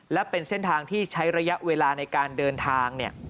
และเป็นเส้นทางที่ใช้ระยะเวลาในการเดินทาง